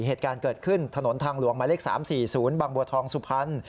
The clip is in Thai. เหตุการณ์เกิดขึ้นถนนทางหลวงหมายเลข๓๔๐บางบัวทองสุพรรณ